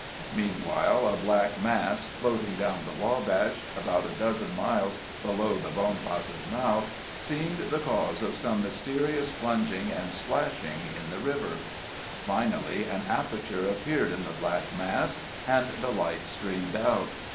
Meanwhile a black mass, floating down the Wabash, about a dozen miles below the Bonpas's mouth, seemed the cause of some mysterious plunging and splashing in the river. Finally an aperture appeared in the black mass, and the light streamed out.